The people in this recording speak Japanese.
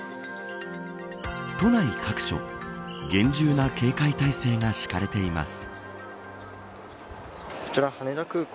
都内各所厳重な警戒態勢が敷かれています。